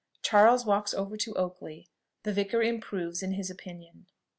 CHARLES WALKS OVER TO OAKLEY. THE VICAR IMPROVES IN HIS OPINION.